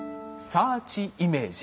サーチイメージ？